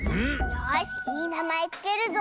よしいいなまえつけるぞ。